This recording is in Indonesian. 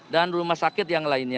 dan rumah sakit yang lainnya